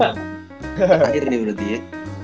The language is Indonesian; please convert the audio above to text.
terakhir nih menurut dia